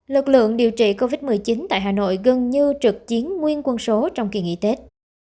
lực lượng điều trị covid một mươi chín tại hà nội gần như trực chiến nguyên quân số trong kỳ nghỉ tết